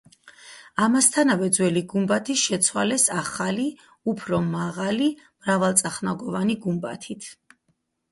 ამასთანავე, ძველი გუმბათი შეცვალეს ახალი, უფრო მაღალი, მრავალწახნაგოვანი გუმბათით.